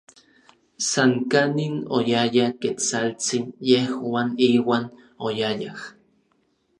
San kanin oyaya Ketsaltsin, yejuan iuan oyayaj.